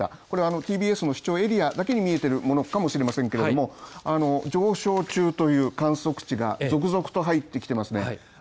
これＴＢＳの視聴エリアだけに見えてるものかもしれませんけれども上昇中という観測値が続々と入ってきてますね